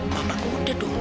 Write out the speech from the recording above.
mamaku udah dong